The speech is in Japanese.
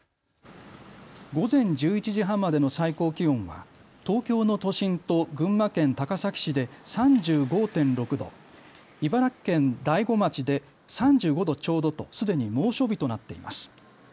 午前１１時半までの最高気温は東京の都心と群馬県高崎市で３５．６度、茨城県大子町で３５度ちょうどとすでに猛暑日となっています。